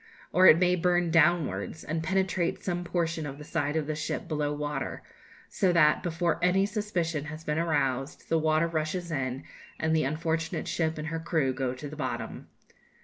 Or it may burn downwards, and penetrate some portion of the side of the ship below water; so that, before any suspicion has been aroused, the water rushes in, and the unfortunate ship and her crew go to the bottom.